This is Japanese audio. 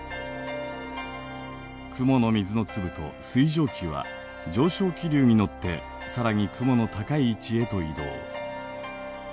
雲の水の粒と水蒸気は上昇気流に乗ってさらに雲の高い位置へと移動。